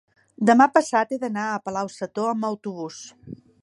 demà passat he d'anar a Palau-sator amb autobús.